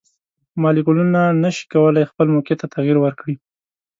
مالیکولونه نشي کولی خپل موقیعت ته تغیر ورکړي.